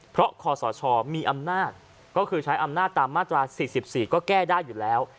เพราะคอสชมีอำนาจก็คือใช้อำนาจตามมาตรา๔๔ก็แก้ได้อยู่แล้ว